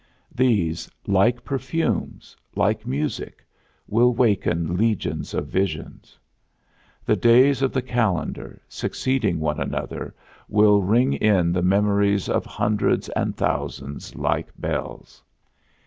These, like perfumes, like music, will waken legions of visions. The days of the calendar, succeeding one another, will ring in the memories of hundreds and thousands like bells.